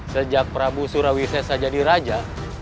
sejak prabu surawisesa jadi raja